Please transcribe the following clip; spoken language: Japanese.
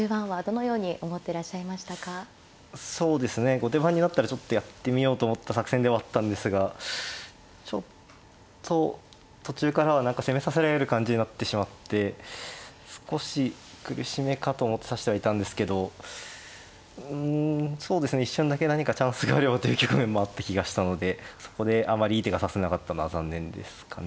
後手番になったらちょっとやってみようと思った作戦ではあったんですがちょっと途中からは何か攻めさせられる感じになってしまって少し苦しめかと思って指してはいたんですけどうんそうですね一瞬だけ何かチャンスがあればという局面もあった気がしたのでそこであまりいい手が指せなかったのは残念ですかね。